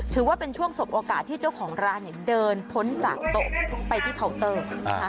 ถือว่าเป็นช่วงสบโอกาสที่เจ้าของร้านเดินพ้นจากโต๊ะไปที่เคาน์เตอร์